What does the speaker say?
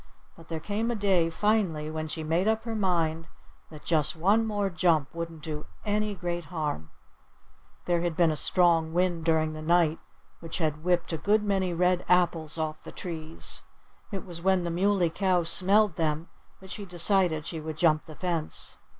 But there came a day, finally, when she made up her mind that just one more jump wouldn't do any great harm. There had been a strong wind during the night, which had whipped a good many red apples off the trees. It was when the Muley Cow smelled them that she decided that she would jump the fence.